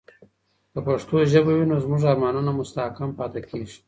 که پښتو ژبه وي، نو زموږ ارمانونه مستحکم پاتې کیږي.